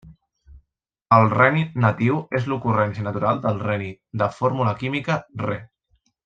El reni natiu és l'ocurrència natural del reni, de fórmula química Re.